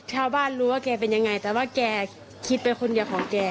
ชาวบ้านรู้ว่าแกเป็นยังไงแต่ว่าแกคิดไปคนเดียวของแก